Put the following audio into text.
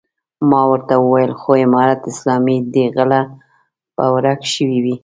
ما ورته وويل خو امارت اسلامي دی غله به ورک شوي وي.